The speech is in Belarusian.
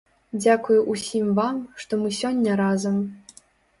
Дзякуй усім вам, што мы сёння разам!